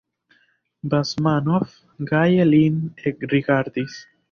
Basmanov gaje lin ekrigardis.